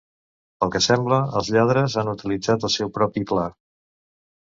Pel que sembla, els lladres han utilitzat el seu propi pla.